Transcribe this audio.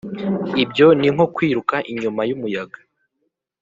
Ibyo ni nko kwiruka inyuma y’umuyaga